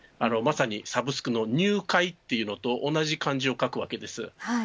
まさにサブスクの入会と同じ漢字を書くわけです。